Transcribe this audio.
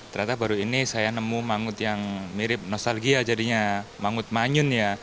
ternyata baru ini saya nemu mangut yang mirip nostalgia jadinya mangut manyun ya